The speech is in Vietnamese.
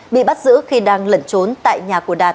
bị bắt giữ khi đang lẩn trốn